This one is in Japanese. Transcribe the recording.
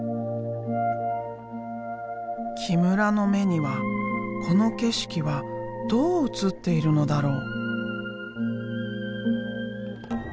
木村の目にはこの景色はどう映っているのだろう？